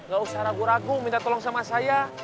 gak usah ragu ragu minta tolong sama saya